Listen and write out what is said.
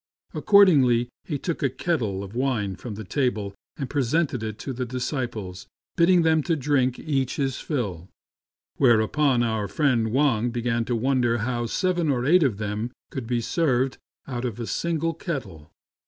Accordingly he took a kettle of wine from the table and presented it to the disciples, bidding them drink each his fill ; whereupon our friend Wang began to wonder how seven or eight of them could all be served out of a single kettle.